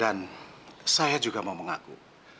dan saya juga mau mengaku